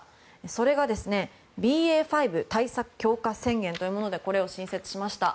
それがＢＡ．５対策強化宣言というものでこれを新設しました。